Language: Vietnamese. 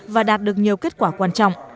và đạt được nhiều kết quả quan trọng